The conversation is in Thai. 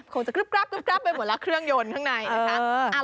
คงจะกรึ๊บไปหมดแล้วเครื่องยนต์ข้างในนะคะ